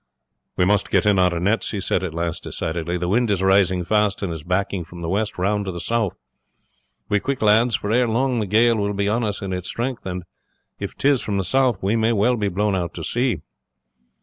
"We must get in our nets," he said at last decidedly; "the wind is rising fast, and is backing from the west round to the south. Be quick, lads, for ere long the gale will be on us in its strength, and if 'tis from the south we may well be blown out to sea."